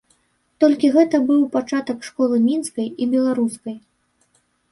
Толькі гэта быў пачатак школы мінскай і беларускай.